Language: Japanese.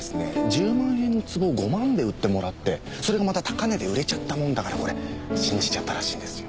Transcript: １０万円の壺を５万で売ってもらってそれがまた高値で売れちゃったもんだからこれ信じちゃったらしいんですよ。